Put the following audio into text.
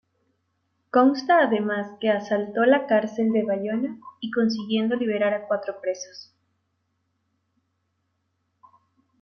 Consta además que asaltó la cárcel de Bayona y consiguiendo liberar a cuatro presos.